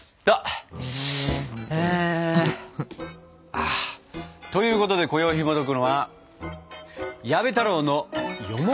ああということでこよいひもとくのは「矢部太郎のよもぎまんじゅう」。